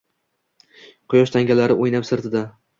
Quyosh tangalari o’ynab sirtida